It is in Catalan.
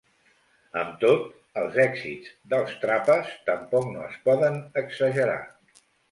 Amb tot, els èxits dels Trapas tampoc no es poden exagerar.